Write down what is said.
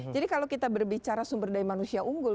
jadi kalau kita berbicara sumber daya manusia unggul